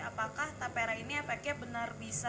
apakah tapera ini efeknya benar bisa